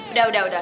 udah udah udah